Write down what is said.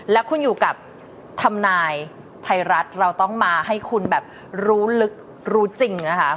และคุณอยู่กับทำนายไทยรัฐเราต้องมาให้คุณแบบรู้ลึกรู้จริงนะคะ